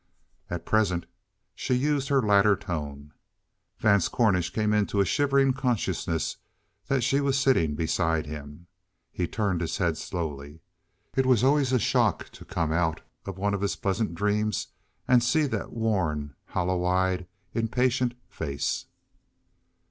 At present she used her latter tone. Vance Cornish came into a shivering consciousness that she was sitting beside him. He turned his head slowly. It was always a shock to come out of one of his pleasant dreams and see that worn, hollow eyed, impatient face.